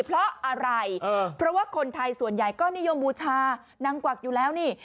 เพราะอะไรเพราะว่าคนไทยส่วนใหญ่ก็นิยมบูชานางกวักอยู่แล้วนี่